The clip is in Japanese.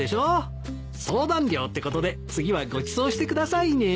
相談料ってことで次はごちそうしてくださいね。